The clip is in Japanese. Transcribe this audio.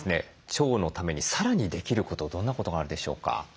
腸のためにさらにできることどんなことがあるでしょうか？